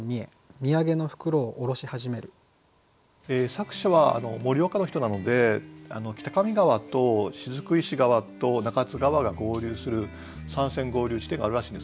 作者は盛岡の人なので北上川と雫石川と中津川が合流する三川合流地点があるらしいんですね。